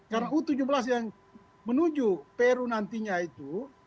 karena u tujuh belas yang menuju peru nantinya itu